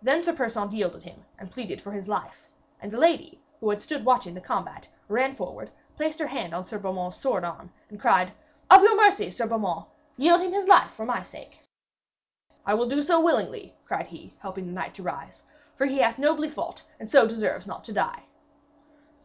Then Sir Persaunt yielded him and pleaded for his life, and the lady, who had stood watching the combat, ran forward, placed her hand on Sir Beaumains' sword arm, and cried: 'Of your mercy, Sir Beaumains, yield him his life for my sake.' 'I do it willingly,' cried he, helping the knight to rise, 'for he hath nobly fought and so deserves not to die.'